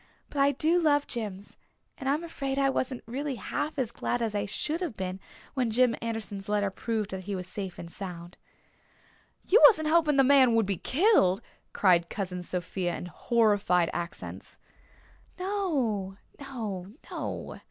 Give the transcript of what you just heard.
"But I do love Jims, and I'm afraid I wasn't really half as glad as I should have been when Jim Anderson's letter proved that he was safe and sound." "You wasn't hoping the man would be killed!" cried Cousin Sophia in horrified accents. "No no no!